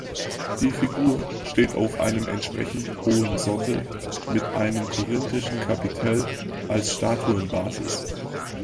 Die Figur steht auf einen entsprechend hohen Sockel mit einem Korinthischen Kapitell als Statuenbasis.